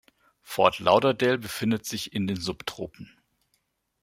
Fort Lauderdale befindet sich in den Subtropen.